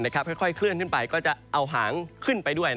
ค่อยเคลื่อนขึ้นไปก็จะเอาหางขึ้นไปด้วย